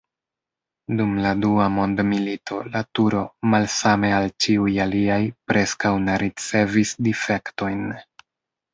Dum la Dua mondmilito la turo, malsame al ĉiuj aliaj, preskaŭ ne ricevis difektojn.